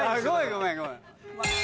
ごめんごめん。